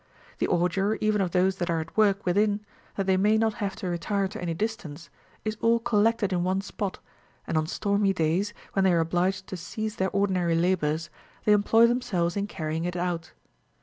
The ordure even of those that are at work within, that they may not have to retire to any distance, is all collected in one spot, and on stormy days, when they are obliged to cease their ordinary labours, they employ themselves in carrying it out.